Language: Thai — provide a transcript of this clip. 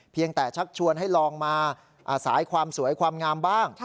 เพียงแต่ชักชวนให้ลองมาสายความสวยความงามบ้าง